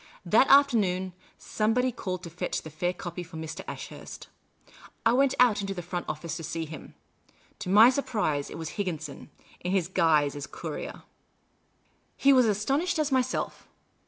That afternoon, somebody called to fetch the fair copy for Mr. Ashurst. I went out into the front office to see him. To my surprise, it was Iligginson — in his guise as courier. T76 Miss Cayley's Adventures He was as astonished as myself.